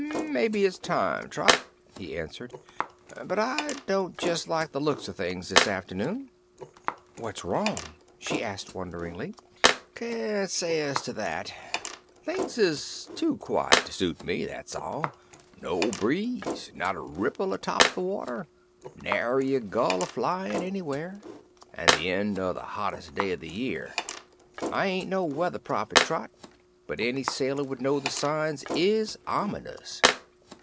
"Mebbe it's time, Trot," he answered, "but I don't jes' like the looks o' things this afternoon." "What's wrong?" she asked wonderingly. "Can't say as to that. Things is too quiet to suit me, that's all. No breeze, not a ripple a top the water, nary a gull a flyin' anywhere, an' the end o' the hottest day o' the year. I ain't no weather prophet, Trot, but any sailor would know the signs is ominous."